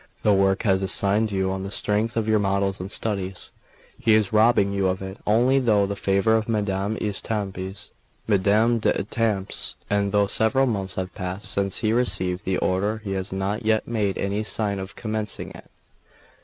The work was assigned you on the strength of your models and studies. He is robbing you of it, only through the favour of Madame d'Etampes; and though several months have passed since he received the order, he has not yet made any sign of commencing it."